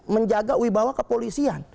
menjaga wibawa kepolisian